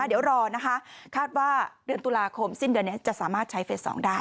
เดี๋ยวรอนะคะคาดว่าเดือนตุลาคมสิ้นเดือนนี้จะสามารถใช้เฟส๒ได้